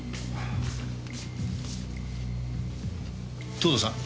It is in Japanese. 藤堂さん。